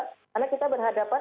karena kita berhadapan